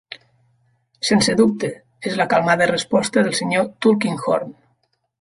"Sense dubte", és la calmada resposta del senyor Tulkinghorn.